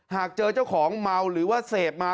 หากเจอเจ้าของเมาหรือว่าเสพมา